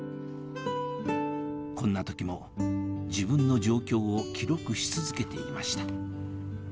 こんな時も自分の状況を記録し続けていました